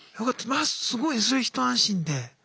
まあすごいねそれ一安心で。